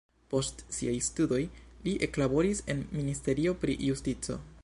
Post siaj studoj li eklaboris en ministerio pri justico.